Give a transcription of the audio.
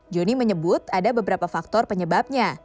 joni menyebut ada beberapa faktor penyebabnya